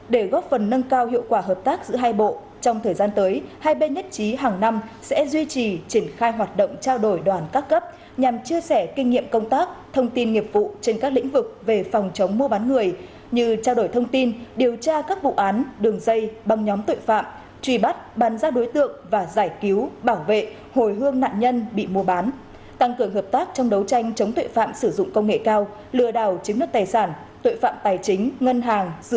để góp phần nâng cao hiệu quả hợp tác giữa hai bộ trong thời gian tới hai bên nhất trí hàng năm sẽ duy trì triển khai hoạt động trao đổi đoàn các cấp nhằm chia sẻ kinh nghiệm công tác thông tin nghiệp vụ trên các lĩnh vực về phòng chống mua bán người như trao đổi thông tin điều tra các vụ án đường dây băng nhóm tuệ phạm truy bắt bắn giác đối tượng và giải cứu bảo vệ hồi hương nạn nhân bị mua bán tăng cường hợp tác trong đấu tranh chống tuệ phạm sử dụng công nghệ cao lừa đào chính nước tài sản tuệ phạm tài chính